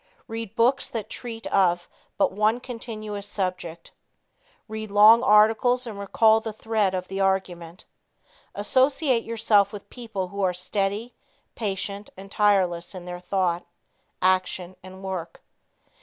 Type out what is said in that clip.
Read books that treat of but one continuous subject. Read long articles and recall the thread of the argument. Associate yourself with people who are steady, patient and tireless in their thought, action and work.